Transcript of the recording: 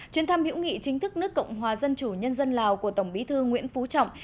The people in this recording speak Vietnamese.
chuyến thăm hữu nghị chính thức nước cộng hòa dân chủ nhân dân lào của tổng bí thư nguyễn phú trọng